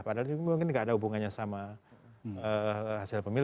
padahal ini mungkin gak ada hubungannya sama hasil pemilihan